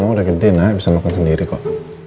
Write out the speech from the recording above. mama udah gede naik bisa makan sendiri kok